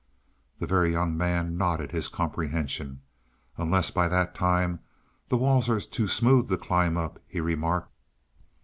The Very Young Man nodded his comprehension. "Unless by that time the walls are too smooth to climb up," he remarked.